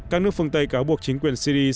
các nước phương tây cáo buộc chính quyền syria